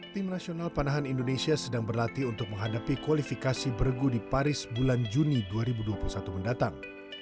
tim nasional panahan indonesia sedang berlatih untuk menghadapi kualifikasi bergu di paris bulan juni dua ribu dua puluh satu mendatang